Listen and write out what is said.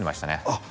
あっ